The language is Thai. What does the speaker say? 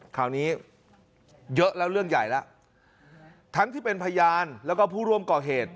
คราวนี้เยอะแล้วเรื่องใหญ่แล้วทั้งที่เป็นพยานแล้วก็ผู้ร่วมก่อเหตุ